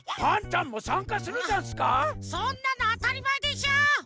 そんなのあたりまえでしょ！